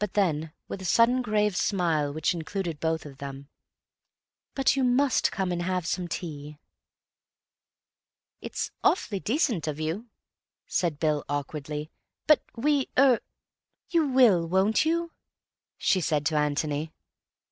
Then, with a sudden grave smile which included both of them, "But you must come and have some tea." "It's awfully decent of you," said Bill awkwardly, "but we—er—" "You will, won't you?" she said to Antony.